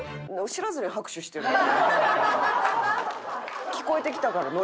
知らずに拍手してるやん。